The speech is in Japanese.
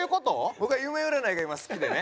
僕は夢占いが今好きでね。